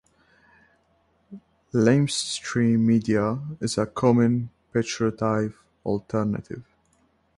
"Lamestream media" is a common pejorative alternative.